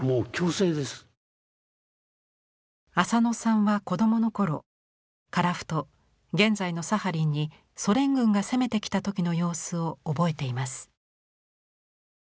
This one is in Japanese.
浅野さんは子どもの頃樺太現在のサハリンにソ連軍が攻めてきた時の様子を覚えています。